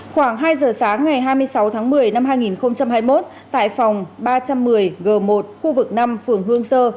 khoảng hai giờ sáng ngày hai mươi sáu tháng một mươi năm hai nghìn hai mươi một tại phòng ba trăm một mươi g một khu vực năm phường hương sơ